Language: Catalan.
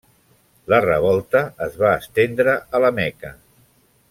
La revolta es va estendre a la Meca.